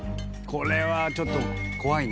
これはちょっと怖いね。